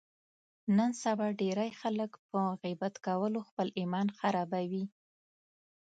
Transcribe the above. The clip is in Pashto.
نن سبا ډېری خلک په غیبت کولو خپل ایمان خرابوي.